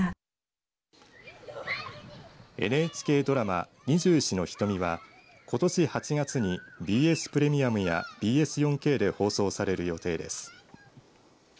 ＮＨＫドラマ、二十四の瞳はことし８月にＢＳプレミアムやＢＳ４Ｋで放送される予定です。